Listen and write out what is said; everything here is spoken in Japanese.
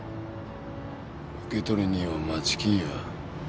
受取人は町金融。